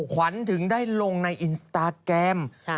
ขวัญถึงได้ลงในอินสตาแกรม